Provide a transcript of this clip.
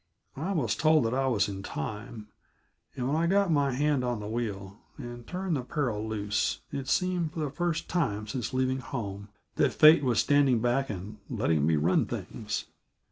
I was told that I was in time, and when I got my hand on the wheel, and turned the Peril loose, it seemed, for the first time since leaving home, that fate was standing back and letting me run things.